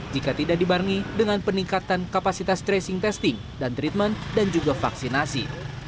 jika tidak dibangi dengan peningkatan kapasitas tracing testing dan treatment dan juga vaksinasi